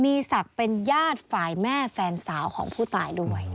มีศักดิ์เป็นญาติฝ่ายแม่แฟนสาวของผู้ตายด้วย